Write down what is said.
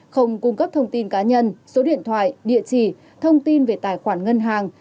không cung cấp thông tin cá nhân số điện thoại địa chỉ thông tin về tài khoản ngân hàng